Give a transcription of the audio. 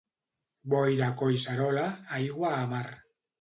Boira a Collserola, aigua a mar.